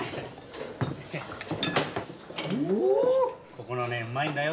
ここのねうまいんだよ